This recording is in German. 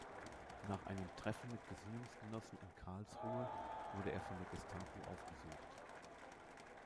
Nach einem Treffen mit Gesinnungsgenossen in Karlsruhe wurde er von der Gestapo aufgesucht.